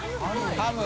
ハム？